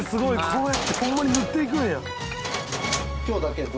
こうやってホンマに塗っていくんや。